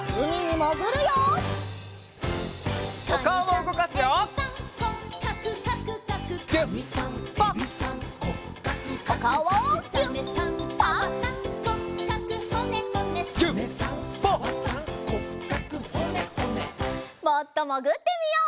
もっともぐってみよう。